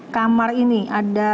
kamar ini ada